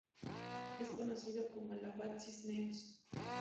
Es conocido como el abad Cisneros.